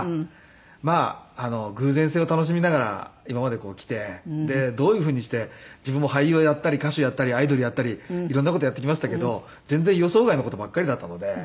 まあ偶然性を楽しみながら今までこう来てでどういうふうにして自分も俳優をやったり歌手やったりアイドルやったり色んな事やってきましたけど全然予想外の事ばっかりだったので。